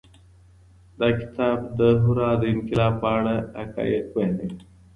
دا کتاب د هورا د انقلاب په اړه حقايق بيانوي.